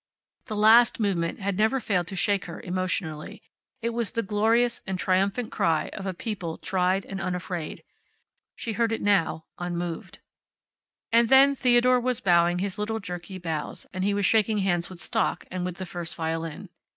The last movement had never failed to shake her emotionally. It was the glorious and triumphant cry of a people tried and unafraid. She heard it now, unmoved. And then Theodore was bowing his little jerky bows, and he was shaking hands with Stock, and with the First Violin.